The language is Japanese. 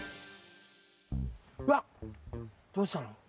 うわっどうしたの？